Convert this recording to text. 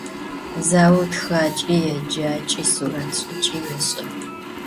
Zaur txaç'i, yêcaç'i, suret ş'ıç'i yêş'e.